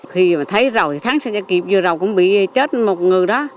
khi mà thấy rào thì thắng sẽ kịp vừa rào cũng bị chết một người đó